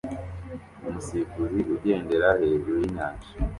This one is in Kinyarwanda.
Umusifuzi ugendera hejuru yinyanja